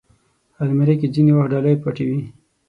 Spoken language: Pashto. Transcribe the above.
الماري کې ځینې وخت ډالۍ پټ وي